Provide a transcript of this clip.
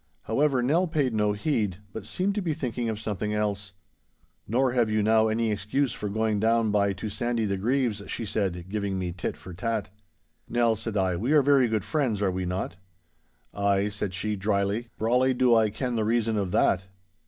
However, Nell paid no heed, but seemed to be thinking of something else. 'Nor have you now any excuse for going down by to Sandy the Grieve's,' she said, giving me tit for tat. 'Nell,' said I, 'we are very good friends, are we not? 'Ay,' said she, drily, 'brawly do I ken the reason of that.